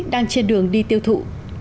đang trên đường đi tiêu thụ